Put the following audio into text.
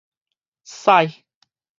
屎